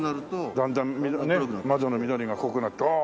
だんだんね窓の緑が濃くなって。